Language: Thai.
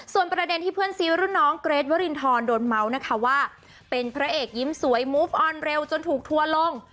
ส่วนประเด็นที่เพื่อนซีรุ่นน้องเกรทวรินทรโดนเมาส์นะคะว่าเป็นพระเอกยิ้มสวยมุฟออนเร็วจนถูกทัวร์ลง